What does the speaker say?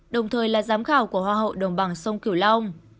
đồng thời là giám khảo của hoa hậu đồng bằng sông cửu long